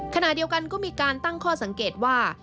ขณะเดียวกันก็มีการตั้งข้อสังเกตว่า